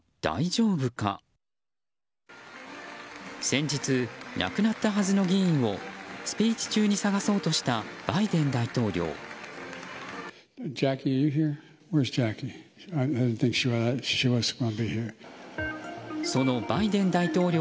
先日、亡くなったはずの議員をスピーチ中に探そうとしたバイデン大統領。